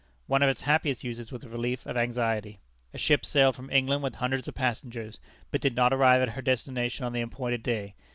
One of its happiest uses was the relief of anxiety. A ship sailed for England with hundreds of passengers, but did not arrive at her destination on the appointed day.